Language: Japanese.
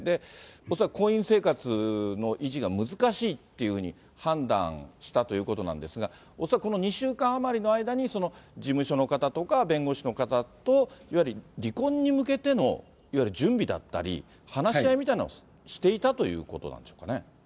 恐らく婚姻生活の維持が難しいっていうふうに判断したということなんですが、恐らくこの２週間余りの間に、事務所の方とか弁護士の方と、いわゆる離婚に向けてのいわゆる準備だったり、話し合いみたいなのをしていたということなんですかね。